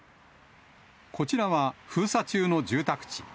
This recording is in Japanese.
こちらは封鎖中の住宅地。